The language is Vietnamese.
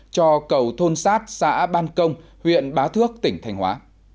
cho cầu thôn sát xã ban công huyện bá thước tỉnh thành hóa